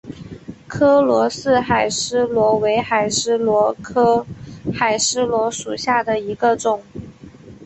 柯罗氏海蛳螺为海蛳螺科海蛳螺属下的一个种。